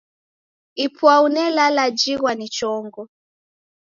Ipwau nelala jighwa ni chongo.